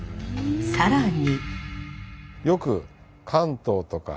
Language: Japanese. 更に。